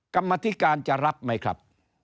กรรมธิการจะรับไหมครับ